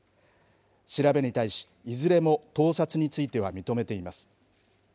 調べに対し、いずれも盗撮については認めています。